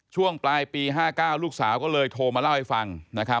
ช่วงปลายปี๕๙ลูกสาวก็เลยโทรมาเล่าให้ฟัง